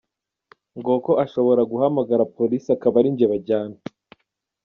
ngoko ashobora guhamagara police akabarinjye bajyana.